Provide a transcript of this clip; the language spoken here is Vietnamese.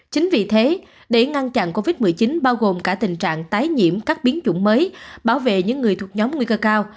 chính vì thế để ngăn chặn covid một mươi chín bao gồm cả tình trạng tái nhiễm các biến chủng mới bảo vệ những người thuộc nhóm nguy cơ cao